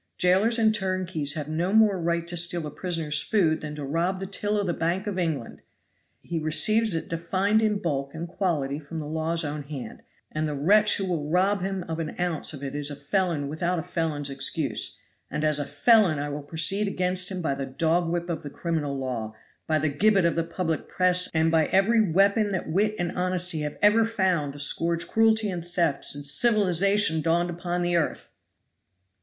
Jailers and turnkeys have no more right to steal a prisoner's food than to rob the till of the Bank of England. He receives it defined in bulk and quality from the law's own hand, and the wretch who will rob him of an ounce of it is a felon without a felon's excuse; and as a felon I will proceed against him by the dog whip of the criminal law, by the gibbet of the public press, and by every weapon that wit and honesty have ever found to scourge cruelty and theft since civilization dawned upon the earth."